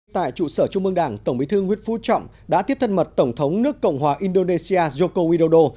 tại trụ sở trung mương đảng tổng bí thư nguyễn phú trọng đã tiếp thân mật tổng thống nước cộng hòa indonesia joko widodo